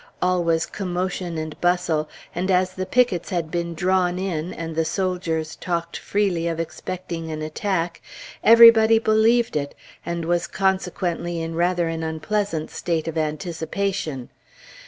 All was commotion and bustle; and as the pickets had been drawn in, and the soldiers talked freely of expecting an attack, everybody believed it, and was consequently in rather an unpleasant state of anticipation.